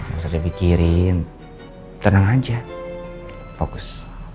gak usah dipikirin tenang aja fokus